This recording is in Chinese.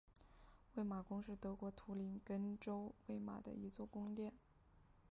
魏玛宫是德国图林根州魏玛的一座宫殿。